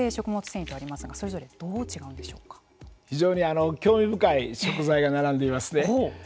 繊維とありますが非常に興味深い食材が並んでますね。